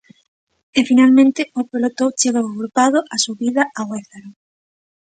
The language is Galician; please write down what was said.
E finalmente o pelotón chegou agrupado á subida ao Ézaro.